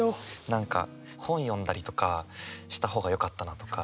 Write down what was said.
何か本読んだりとかした方がよかったなとか。